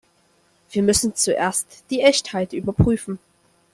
Wir müssen zuerst die Echtheit überprüfen.